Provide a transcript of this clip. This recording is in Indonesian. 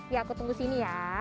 ya aku tunggu sini ya